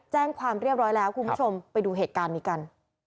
แจ้งความเรียบร้อยแล้วคุณผู้ชมไปดูเหตุการณ์นี้กัน